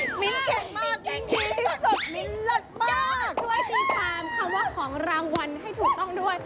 มิ้นเก่งมากเก่งดีที่สุดมิ้นเลิศมากช่วยตีความคำว่าของรางวัลให้ถูกต้องด้วย